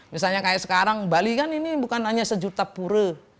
misalnya kayak sekarang bali kan ini bukan hanya sejuta pura